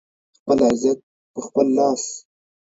خپل عزت په خپل لاس